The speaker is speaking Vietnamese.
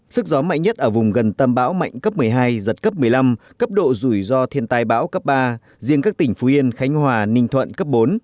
sức gió mạnh nhất ở vùng gần tâm bão mạnh cấp một mươi hai giật cấp một mươi năm cấp độ rủi ro thiên tai bão cấp ba riêng các tỉnh phú yên khánh hòa ninh thuận cấp bốn